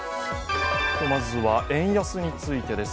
今日、まずは円安についてです